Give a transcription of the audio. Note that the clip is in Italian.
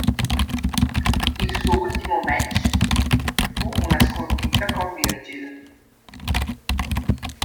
Il suo ultimo match fu una sconfitta con Virgil.